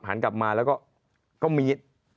หันกลับมาแล้วก็มีด